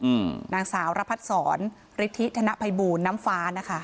อืมนางสาวระพัดศรฤทธิธนภัยบูลน้ำฟ้านะคะ